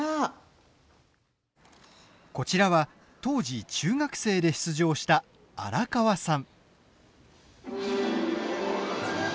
こちらは当時、中学生で出場した荒川さん。